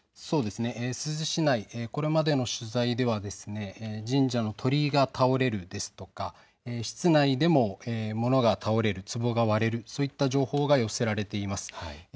珠洲市内、これまでの取材では神社の鳥居が倒れるですとか室内でも物が倒れる、つぼが割れる、そういった情報が寄せられています。